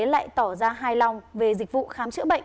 lại tỏ ra hài lòng về dịch vụ khám chữa bệnh